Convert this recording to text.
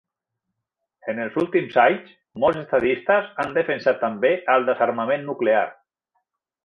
En els últims anys, molts estadistes han defensat també el desarmament nuclear.